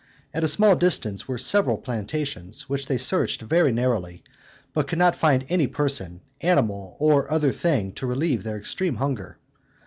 At a small distance were several plantations, which they searched very narrowly, but could not find any person, animal, or other thing, to relieve their extreme hunger.